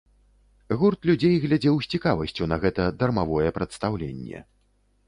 Гурт людзей глядзеў з цікавасцю на гэта дармавое прадстаўленне.